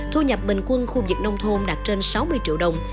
thu nhập bình quân khu vực nông thôn đạt trên sáu mươi triệu đồng